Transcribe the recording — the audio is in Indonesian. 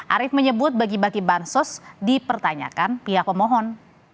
arief menyebut bagi bagi bansos dipertanyakan pihak pemohon